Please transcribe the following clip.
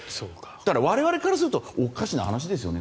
だから、我々からするとおかしな話ですよね。